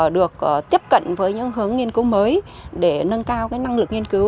được tiếp cận với những hướng nghiên cứu mới để nâng cao năng lực nghiên cứu